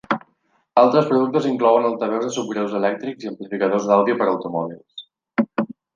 Altres productes inclouen altaveus de subgreus elèctrics i amplificadors d'àudio per a automòbils.